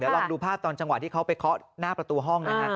เดี๋ยวลองดูภาพตอนจังหวะที่เขาไปเคาะหน้าประตูห้อง